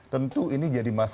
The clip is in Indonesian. tentu ini jadi masalahnya